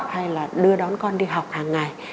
hay là đưa đón con đi học hàng ngày